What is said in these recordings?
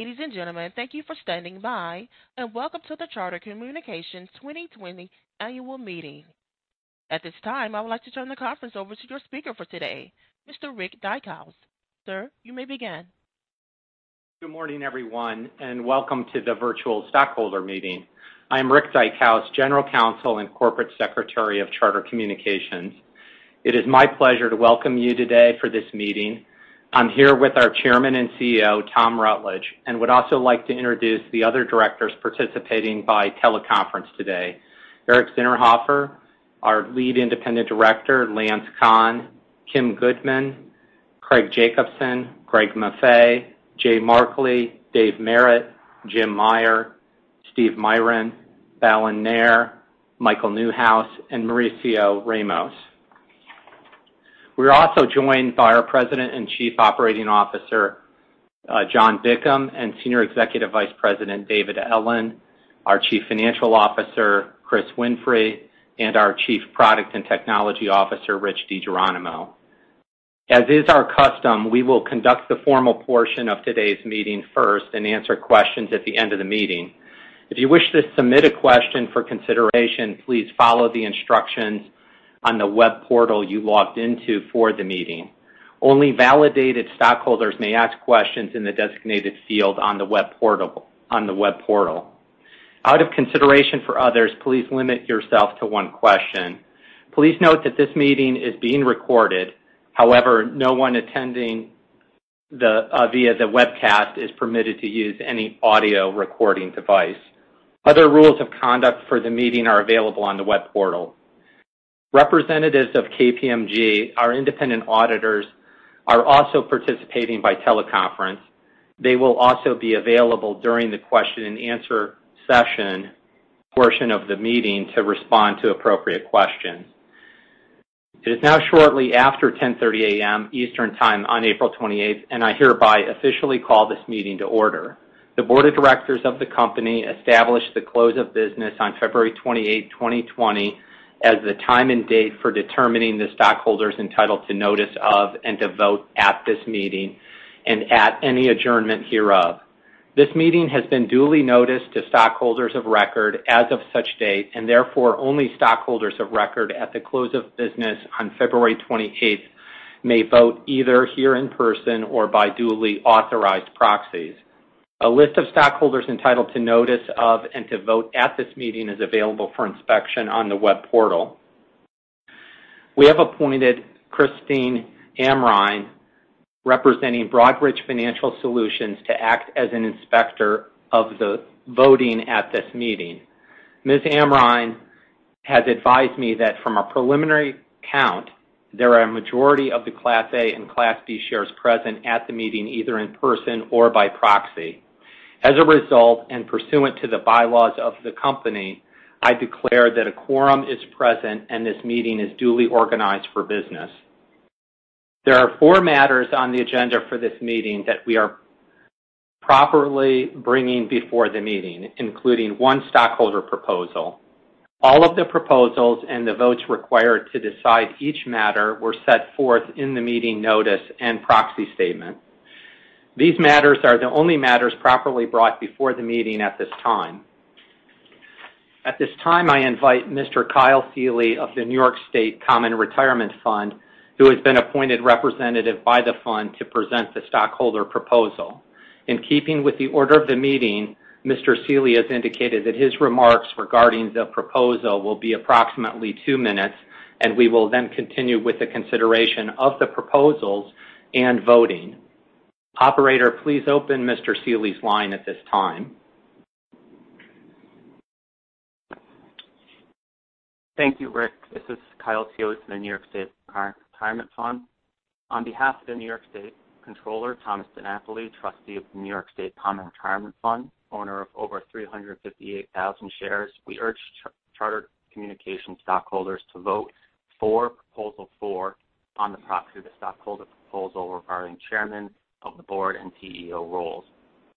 Ladies and gentlemen, thank you for standing by, and welcome to the Charter Communications 2020 Annual Meeting. At this time, I would like to turn the conference over to your speaker for today, Mr. Rick Dykhouse. Sir, you may begin. Good morning, everyone, and welcome to the virtual stockholder meeting. I'm Rick Dykhouse, General Counsel and Corporate Secretary of Charter Communications. It is my pleasure to welcome you today for this meeting. I'm here with our Chairman and CEO, Tom Rutledge, and would also like to introduce the other Directors participating by teleconference today. Eric Zinterhofer, our Lead Independent Director, Lance Conn, Kim Goodman, Craig Jacobson, Greg Maffei, Jay Markley, Dave Merritt, Jim Meyer, Steve Miron, Balan Nair, Michael Newhouse, and Mauricio Ramos. We're also joined by our President and Chief Operating Officer, John Bickham, and Senior Executive Vice President, David Ellen, our Chief Financial Officer, Chris Winfrey, and our Chief Product and Technology Officer, Rich DiGeronimo. As is our custom, we will conduct the formal portion of today's meeting first and answer questions at the end of the meeting. If you wish to submit a question for consideration, please follow the instructions on the web portal you logged into for the meeting. Only validated stockholders may ask questions in the designated field on the web portal. Out of consideration for others, please limit yourself to one question. Please note that this meeting is being recorded. However, no one attending via the webcast is permitted to use any audio recording device. Other rules of conduct for the meeting are available on the web portal. Representatives of KPMG, our independent auditors, are also participating by teleconference. They will also be available during the question and answer session portion of the meeting to respond to appropriate questions. It is now shortly after 10:30 A.M. Eastern Time on April 28th, and I hereby officially call this meeting to order. The board of directors of the company established the close of business on February 28, 2020, as the time and date for determining the stockholders entitled to notice of and to vote at this meeting and at any adjournment hereof. This meeting has been duly noticed to stockholders of record as of such date, and therefore, only stockholders of record at the close of business on February 28th may vote either here in person or by duly authorized proxies. A list of stockholders entitled to notice of and to vote at this meeting is available for inspection on the web portal. We have appointed Christine Amrhein, representing Broadridge Financial Solutions, to act as an inspector of the voting at this meeting. Ms. Amrhein has advised me that from a preliminary count, there are a majority of the Class A and Class B shares present at the meeting, either in person or by proxy. As a result, and pursuant to the bylaws of the company, I declare that a quorum is present, and this meeting is duly organized for business. There are four matters on the agenda for this meeting that we are properly bringing before the meeting, including one stockholder proposal. All of the proposals and the votes required to decide each matter were set forth in the meeting notice and proxy statement. These matters are the only matters properly brought before the meeting at this time. At this time, I invite Mr. Kyle Sealey of the New York State Common Retirement Fund, who has been appointed representative by the fund to present the stockholder proposal. In keeping with the order of the meeting, Mr. Sealey has indicated that his remarks regarding the proposal will be approximately two minutes, and we will then continue with the consideration of the proposals and voting. Operator, please open Mr. Sealey's line at this time. Thank you, Rick. This is Kyle Sealey with the New York State Common Retirement Fund. On behalf of the New York State Comptroller, Thomas DiNapoli, Trustee of the New York State Common Retirement Fund, owner of over 358,000 shares, we urge Charter Communications stockholders to vote for Proposal four on the proxy to stockholder proposal regarding chairman of the board and CEO roles.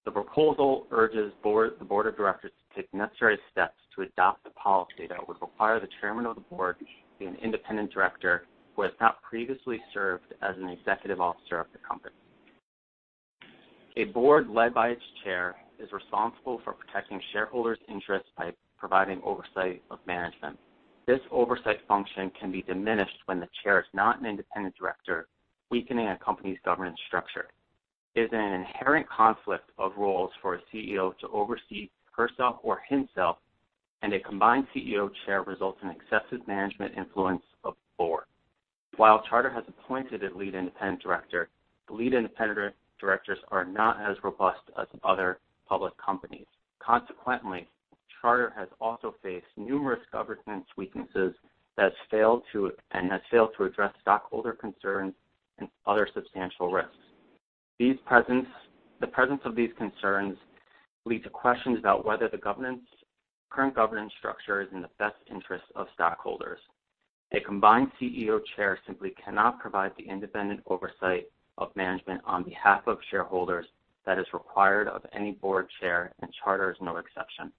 The proposal urges the board of directors to take necessary steps to adopt a policy that would require the chairman of the board be an independent director who has not previously served as an executive officer of the company. A board led by its chair is responsible for protecting shareholders' interests by providing oversight of management. This oversight function can be diminished when the chair is not an independent director, weakening a company's governance structure. It is an inherent conflict of roles for a CEO to oversee herself or himself, and a combined CEO chair results in excessive management influence of the board. While Charter has appointed a lead independent director, the lead independent directors are not as robust as other public companies. Consequently, Charter has also faced numerous governance weaknesses and has failed to address stockholder concerns and other substantial risks. The presence of these concerns leads to questions about whether the current governance structure is in the best interest of stockholders. A combined CEO chair simply cannot provide the independent oversight of management on behalf of shareholders that is required of any board chair, and Charter is no exception.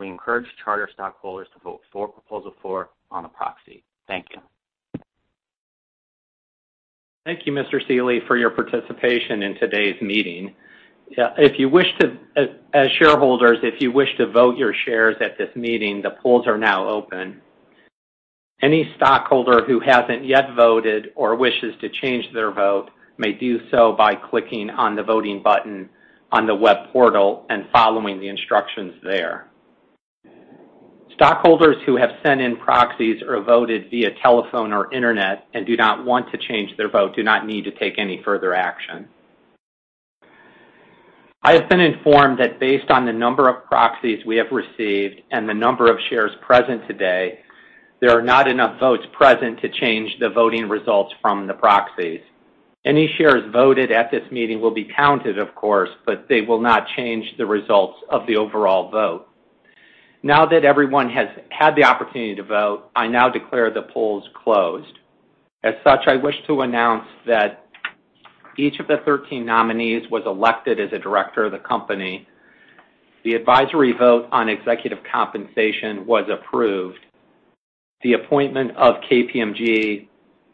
We encourage Charter stockholders to vote for Proposal four on the proxy. Thank you. Thank you, Mr. Sealey, for your participation in today's meeting. As shareholders, if you wish to vote your shares at this meeting, the polls are now open. Any stockholder who hasn't yet voted or wishes to change their vote may do so by clicking on the voting button on the web portal and following the instructions there. Stockholders who have sent in proxies or voted via telephone or internet and do not want to change their vote do not need to take any further action. I have been informed that based on the number of proxies we have received and the number of shares present today, there are not enough votes present to change the voting results from the proxies. Any shares voted at this meeting will be counted, of course, they will not change the results of the overall vote. Now that everyone has had the opportunity to vote, I now declare the polls closed. As such, I wish to announce that each of the 13 nominees was elected as a director of the company. The advisory vote on executive compensation was approved. The appointment of KPMG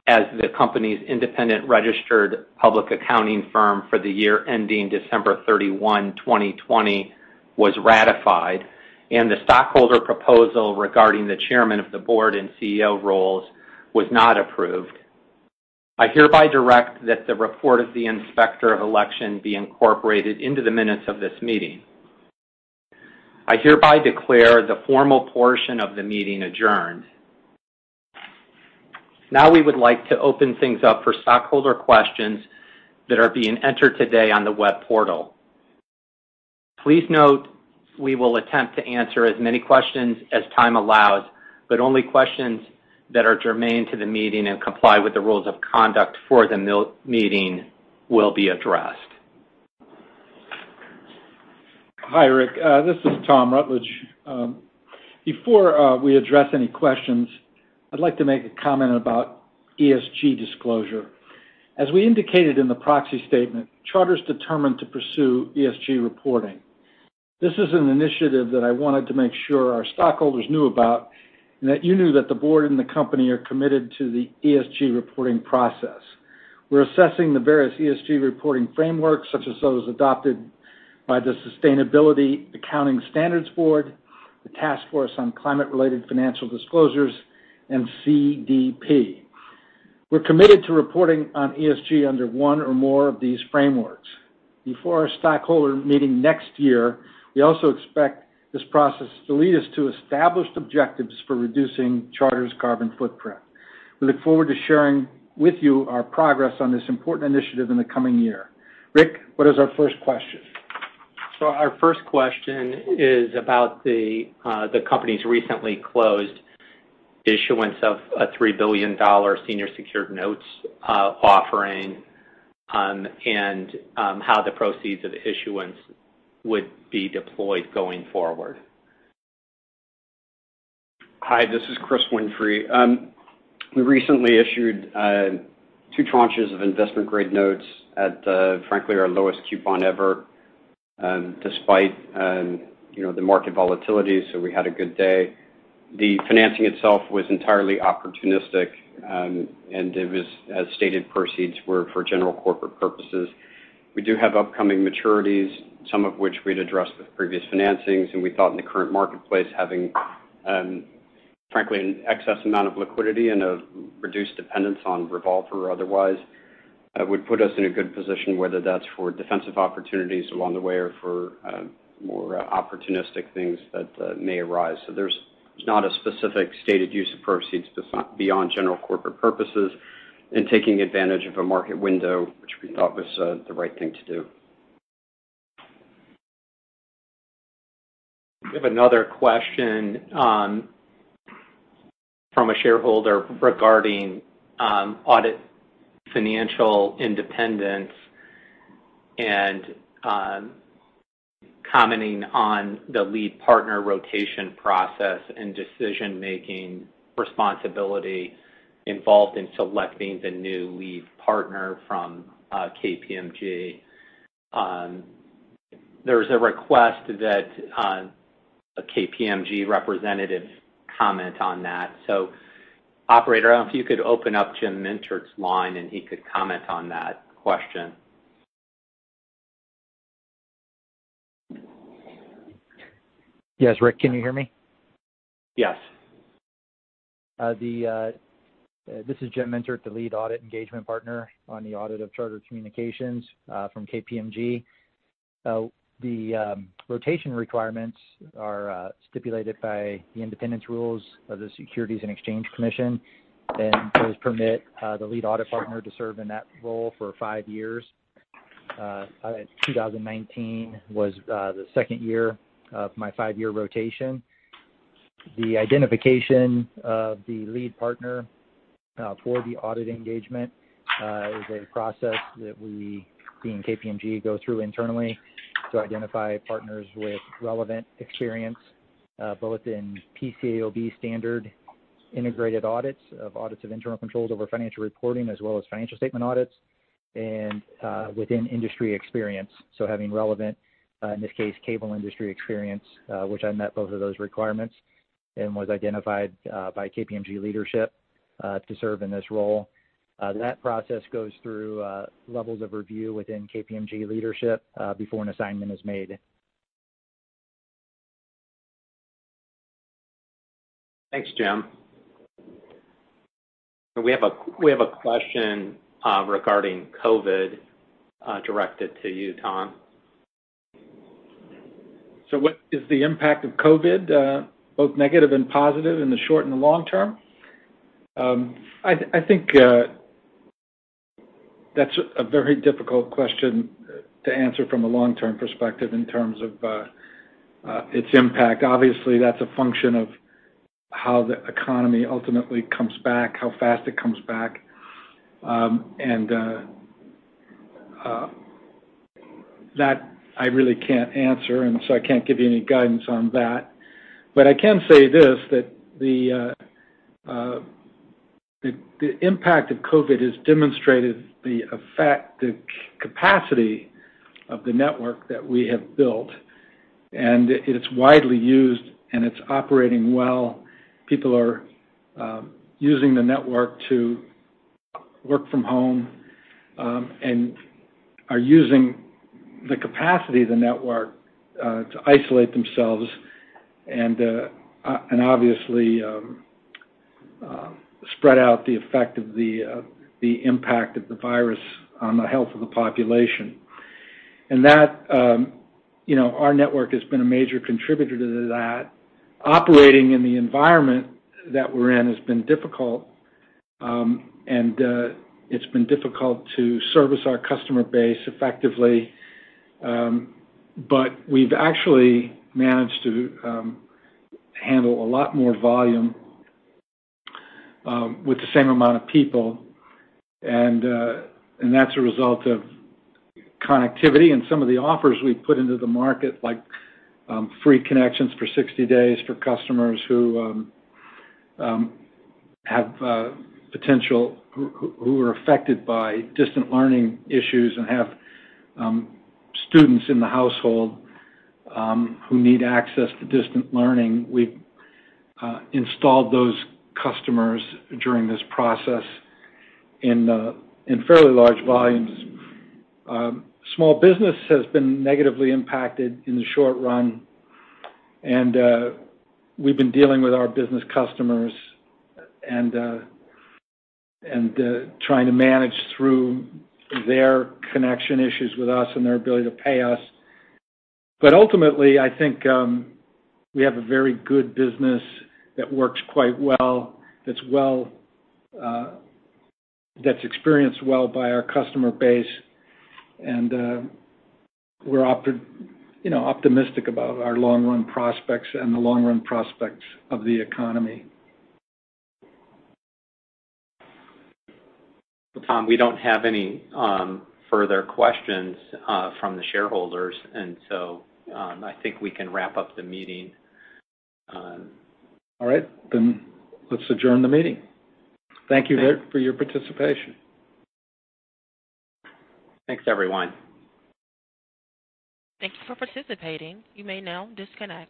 as the company's independent registered public accounting firm for the year ending December 31, 2020, was ratified, and the stockholder proposal regarding the chairman of the board and CEO roles was not approved. I hereby direct that the report of the Inspector of Election be incorporated into the minutes of this meeting. I hereby declare the formal portion of the meeting adjourned. Now we would like to open things up for stockholder questions that are being entered today on the web portal. Please note we will attempt to answer as many questions as time allows, but only questions that are germane to the meeting and comply with the rules of conduct for the meeting will be addressed. Hi, Rick. This is Tom Rutledge. Before we address any questions, I'd like to make a comment about ESG disclosure. As we indicated in the proxy statement, Charter's determined to pursue ESG reporting. This is an initiative that I wanted to make sure our stockholders knew about and that you knew that the board and the company are committed to the ESG reporting process. We're assessing the various ESG reporting frameworks, such as those adopted by the Sustainability Accounting Standards Board, the Task Force on Climate-related Financial Disclosures, and CDP. We're committed to reporting on ESG under one or more of these frameworks. Before our stockholder meeting next year, we also expect this process to lead us to established objectives for reducing Charter's carbon footprint. We look forward to sharing with you our progress on this important initiative in the coming year. Rick, what is our first question? Our first question is about the company's recently closed issuance of a $3 billion senior secured notes offering and how the proceeds of the issuance would be deployed going forward. Hi, this is Chris Winfrey. We recently issued two tranches of investment-grade notes at, frankly, our lowest coupon ever, despite the market volatility. We had a good day. The financing itself was entirely opportunistic, and it was, as stated, proceeds were for general corporate purposes. We do have upcoming maturities, some of which we'd addressed with previous financings, and we thought in the current marketplace, having frankly, an excess amount of liquidity and a reduced dependence on revolver or otherwise would put us in a good position, whether that's for defensive opportunities along the way or for more opportunistic things that may arise. There's not a specific stated use of proceeds beyond general corporate purposes and taking advantage of a market window, which we thought was the right thing to do. We have another question from a shareholder regarding audit financial independence and commenting on the lead partner rotation process and decision-making responsibility involved in selecting the new lead partner from KPMG. There's a request that a KPMG representative comment on that. Operator, if you could open up Jim Mintert's line, and he could comment on that question. Yes, Rick, can you hear me? Yes. This is Jim Mintert, the lead audit engagement partner on the audit of Charter Communications from KPMG. The rotation requirements are stipulated by the independence rules of the Securities and Exchange Commission. Those permit the lead audit partner to serve in that role for five years. 2019 was the second year of my five-year rotation. The identification of the lead partner for the audit engagement is a process that we, being KPMG, go through internally to identify partners with relevant experience both in PCAOB standard integrated audits of audits of internal controls over financial reporting as well as financial statement audits, and within industry experience, so having relevant, in this case, cable industry experience, which I met both of those requirements, and was identified by KPMG leadership to serve in this role. That process goes through levels of review within KPMG leadership before an assignment is made. Thanks, Jim. We have a question regarding COVID directed to you, Tom. What is the impact of COVID, both negative and positive in the short and the long term? I think that's a very difficult question to answer from a long-term perspective in terms of its impact. Obviously, that's a function of how the economy ultimately comes back, how fast it comes back. That I really can't answer, I can't give you any guidance on that. I can say this, that the impact of COVID has demonstrated the capacity of the network that we have built, and it's widely used and it's operating well. People are using the network to work from home, and are using the capacity of the network to isolate themselves and obviously spread out the effect of the impact of the virus on the health of the population. Our network has been a major contributor to that. Operating in the environment that we're in has been difficult. It's been difficult to service our customer base effectively. We've actually managed to handle a lot more volume with the same amount of people. That's a result of connectivity and some of the offers we've put into the market, like free connections for 60 days for customers who are affected by distant learning issues and have students in the household who need access to distant learning. We've installed those customers during this process in fairly large volumes. Small business has been negatively impacted in the short run. We've been dealing with our business customers and trying to manage through their connection issues with us and their ability to pay us. Ultimately, I think we have a very good business that works quite well, that's experienced well by our customer base. We're optimistic about our long-run prospects and the long-run prospects of the economy. Tom, we don't have any further questions from the shareholders, and so I think we can wrap up the meeting. All right. Let's adjourn the meeting. Thank you for your participation. Thanks, everyone. Thank you for participating. You may now disconnect.